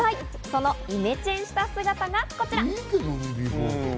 そのイメチェンした姿がこちら。